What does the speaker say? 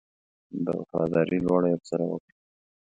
د وفاداري لوړه یې ورسره وکړه.